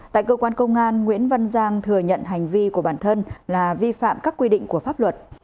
tại cơ quan công an nguyễn văn giang thừa nhận hành vi của bản thân là vi phạm các quy định của pháp luật